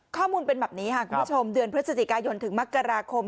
ข้อมูลเป็นแบบนี้ค่ะคุณผู้ชมเดือนพฤศจิกายนถึงมกราคม